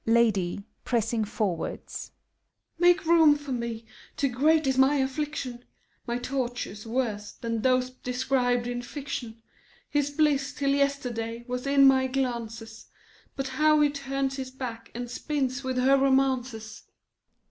LADY {pressing forwards). Make room for me! Too great is my affliction, My tortures worse than those described in fiction : ECis bliss, till yesterday, was in my glances, But now he turns his back, and spins with her ro mances. MEPHISTOPHELES.